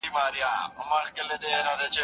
فایبر لرونکي خواړه ګټور دي.